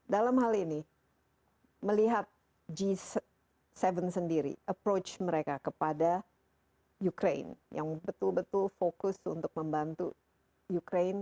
dalam hal ini melihat g tujuh sendiri approach mereka kepada ukraine yang betul betul fokus untuk membantu ukraine